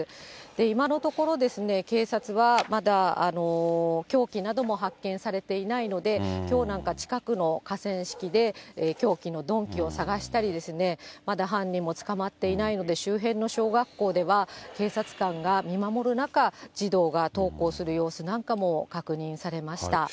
今のところ、警察はまだ凶器なども発見されていないので、きょうなんか近くの河川敷で凶器の鈍器を捜したりですね、まだ犯人も捕まっていないので、周辺の小学校では警察官が見守る中、児童が登校する様子なんかも確認されました。